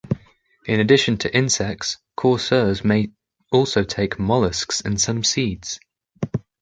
In addition to insects, coursers may also take molluscs and some seeds.